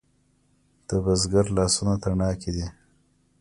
د بزګر لاسونه تڼاکې دي؟